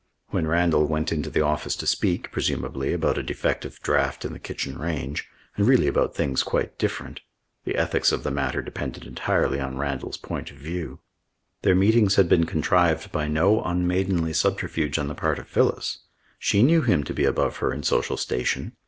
When Randall went into the office to speak, presumably, about a defective draught in the kitchen range, and really about things quite different, the ethics of the matter depended entirely on Randall's point of view. Their meetings had been contrived by no unmaidenly subterfuge on the part of Phyllis. She knew him to be above her in social station.